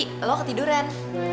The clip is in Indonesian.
tadi lo ketiduran